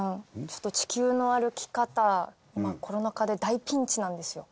ちょっと『地球の歩き方』今コロナ禍で大ピンチなんですよ。